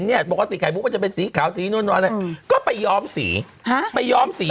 เนี่ยปกติไข่มุกก็จะเป็นสีขาวสีนอนอะไรก็ไปย้อมสีฮะไปย้อมสี